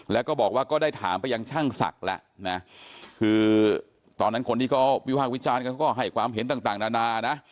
แล้วก็บอกว่าก็ได้ถามไปยังช่างศักดิ์แล้วนะคือตอนนั้นคนที่เขาวิภาควิจารณ์เขาก็ให้ความเห็นต่างนานานะ